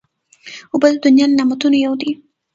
اوبه د دنیا له نعمتونو یو دی.